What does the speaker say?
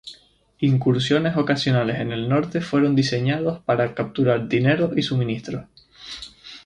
Incursiones ocasionales en el Norte fueron diseñados para capturar dinero y suministros.